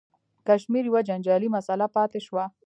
کشمیر یوه جنجالي مسله پاتې شوه.